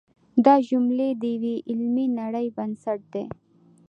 دا جملې د یوې علمي نړۍ بنسټ دی.